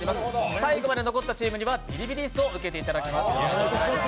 最後まで残ったチームにはビリビリ椅子を受けていただきます。